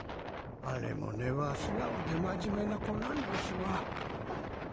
あれも根は素直で真面目な子なんですが。